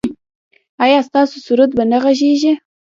ایا ستاسو سرود به غږیږي؟